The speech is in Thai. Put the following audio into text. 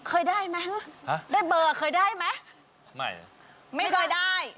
เคยได้ไหมฮะได้เบอร์เคยได้ไหมไม่ไม่เคยได้